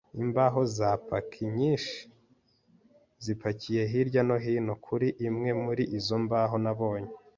imbaho za paki nyinshi-zipakiye hirya no hino. Kuri imwe muri izo mbaho nabonye,